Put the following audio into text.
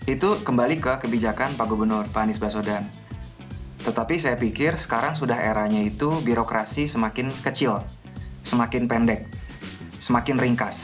itu kembali ke kebijakan pak gubernur pak anies baswedan tetapi saya pikir sekarang sudah eranya itu birokrasi semakin kecil semakin pendek semakin ringkas